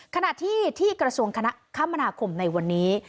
ขณะที่ที่กระทรวงคณะคมนาคมในวันนี้